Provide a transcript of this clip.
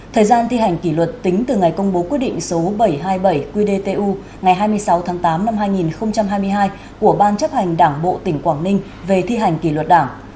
thời gian thi hành kỷ luật tính từ ngày công bố quyết định số bảy trăm hai mươi bảy qdtu ngày hai mươi sáu tháng tám năm hai nghìn hai mươi hai của ban chấp hành đảng bộ tỉnh quảng ninh về thi hành kỷ luật đảng